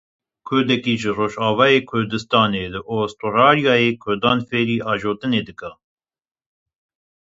Kurdekî ji Rojavayê Kurdistanê li Awisturyayê Kurdan fêrî ajotinê dike.